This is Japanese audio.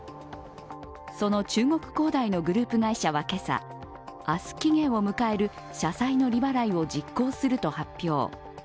その中国恒大のグループ会社はけさ明日期限を迎える社債の利払いを実行すると発表。